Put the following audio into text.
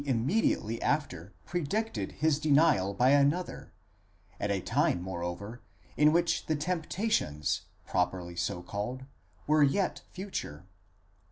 immediately after predicted his denial by another; at a time, moreover, in which the ¢emptations πειρασμοὶ properly so called, were yet future.